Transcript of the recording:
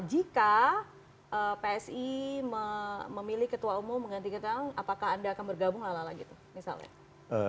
jika psi memilih ketua umum mengganti ketua umum apakah anda akan bergabung lala lala gitu misalnya